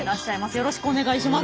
よろしくお願いします。